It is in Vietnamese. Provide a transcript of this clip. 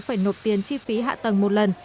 phải nộp tiền chi phí hạ tầng một lần